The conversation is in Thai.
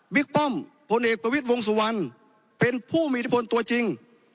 ป้อมพลเอกประวิทย์วงสุวรรณเป็นผู้มีอิทธิพลตัวจริง